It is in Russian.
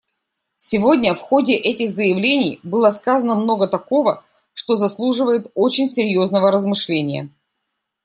Сегодня в ходе этих заявлений было сказано много такого, что заслуживает очень серьезного размышления.